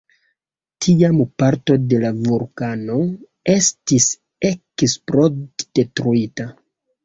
Tiam parto de la vulkano estis eksplod-detruita.